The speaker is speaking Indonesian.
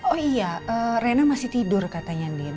oh iya rena masih tidur katanya